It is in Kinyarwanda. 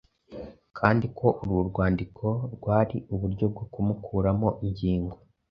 kandi ko urwo rwandiko bwari uburyo bwo kumukuramo ingingo